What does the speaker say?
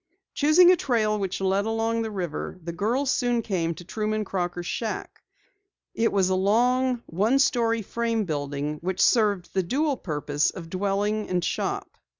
Choosing a trail which led along the river, the girls soon came to Truman Crocker's shack. It was a long, one story frame building which served the dual purpose of dwelling and shop.